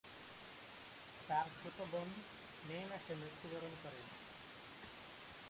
তার ছোট বোন মে মাসে মৃত্যুবরণ করে।